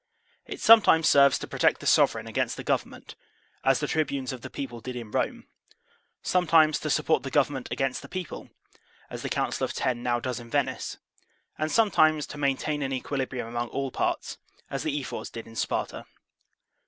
It sometimes serves to protect the sovereign against the government, as the tribunes of the people did in Rome; sometimes to support the government against the people, as the Council of Ten now does in Venice; and some times to maintain an equilibrium among all parts, as the ephors did in Sparta.